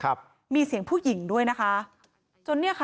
ครับมีเสียงผู้หญิงด้วยนะคะจนเนี้ยค่ะ